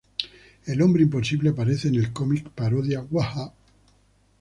El Hombre Imposible aparece en el cómic parodia "Wha...Huh?